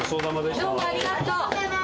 どうもありがとう。